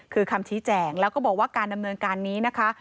คือคำชี้แจงแล้วก็บอกว่าการดำเนินการนี้นะคะ